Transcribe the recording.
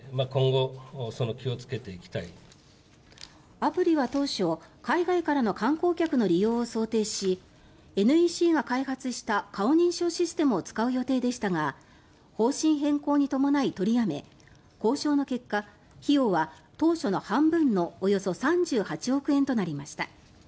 アプリは当初、海外からの観光客の利用を想定しＮＥＣが開発した顔認証システムを使う予定でしたが方針変更に伴い、取りやめ交渉の結果費用は当初の半分のおよそ３８億円となりました。